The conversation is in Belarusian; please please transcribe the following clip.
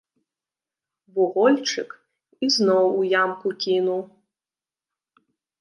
Вугольчык ізноў у ямку кінуў.